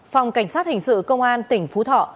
phòng cảnh sát hình sự công an tỉnh phú thọ